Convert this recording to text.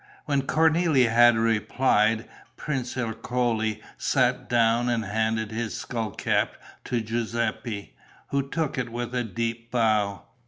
When Cornélie had replied, Prince Ercole sat down and handed his skull cap to Giuseppe, who took it with a deep bow.